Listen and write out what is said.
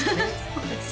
そうですね